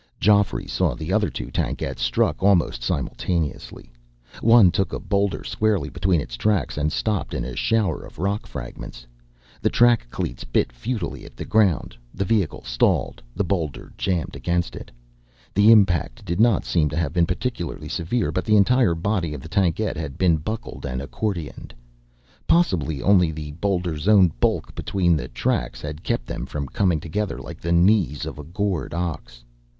Geoffrey saw the other two tankettes struck almost simultaneously. One took a boulder squarely between its tracks, and stopped in a shower of rock fragments. The track cleats bit futilely at the ground. The vehicle stalled, the boulder jammed against it. The impact did not seem to have been particularly severe; but the entire body of the tankette had been buckled and accordioned. Possibly only the boulder's own bulk between the tracks had kept them from coming together like the knees of a gored ox.